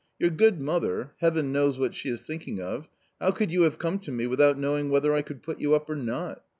Your good mother — heaven knows what she is thinking of. How could you have come to me without knowing whether I could put you up, or not